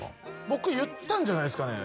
僕言ったんじゃないですかね